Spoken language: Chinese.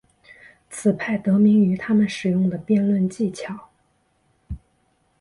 此派得名于他们使用的辩论技巧。